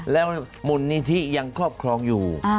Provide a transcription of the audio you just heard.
แล้วมูลนิธิยังครอบครองอยู่